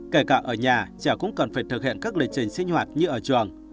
kể cả ở nhà trẻ cũng cần phải thực hiện các lịch trình sinh hoạt như ở trường